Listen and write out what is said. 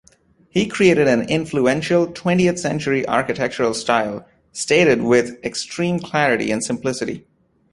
He created an influential twentieth-century architectural style, stated with extreme clarity and simplicity.